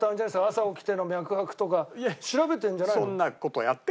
朝起きての脈拍とか調べてるんじゃないの？